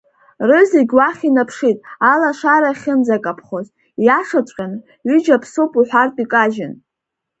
Рызегь уахь инаԥшит, алашара ахьынӡакаԥхоз, ииашаҵәҟьаны, ҩыџьа ԥсуп уҳәартә икажьын.